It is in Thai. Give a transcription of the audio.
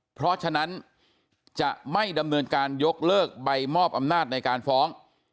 เพราะฉะนั้นจะไม่ดำเนินการยกเลิกใบมอบอำนาจในการฟ้อง